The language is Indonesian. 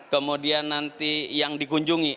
kemudian nanti yang dikunjungi